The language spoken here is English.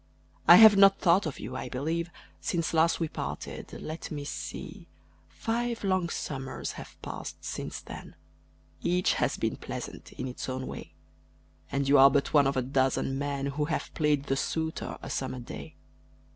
I have not thought of you, I believe, Since last we parted. Let me see: Five long Summers have passed since then Each has been pleasant in its own way And you are but one of a dozen men Who have played the suitor a Summer day.